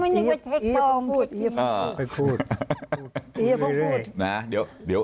ไปพูดไปพูด